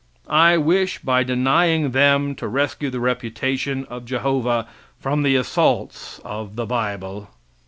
I wish by denying them to rescue the reputation of Jehovah from the assaults of the bible.